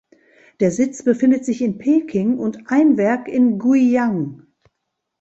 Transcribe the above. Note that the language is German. Der Sitz befindet sich in Peking und ein Werk in Guiyang.